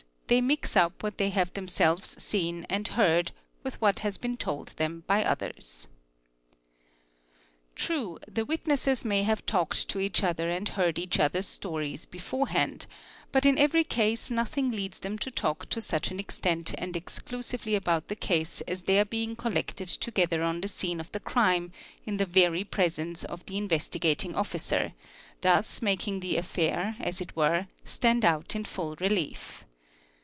they mix up what they have themselves seen and heard with what has been told them by others. True, the witnesses may have talked to each other and heard each other's stories beforehand, but in every case nothing leads them to talk to such an extent and exclusively about the case as their being collected to gether on the scene of the crime in the very presence of the Investigating Officer, thus making the affair, as it were, stand out in full relief.